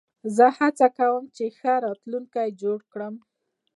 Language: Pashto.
زه هڅه کوم، چي ښه راتلونکی جوړ کړم.